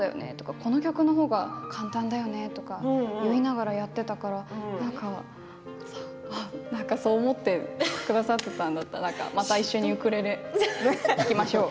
この曲のほうが簡単だよねとか言いながらやっていたからそう思ってくださったんだったらまた一緒にウクレレ弾きましょう。